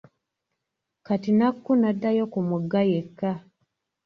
Kati Nakku n'addayo ku mugga yekka.